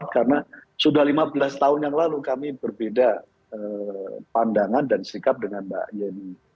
karena sudah lima belas tahun yang lalu kami berbeda pandangan dan sikap dengan mbak yeni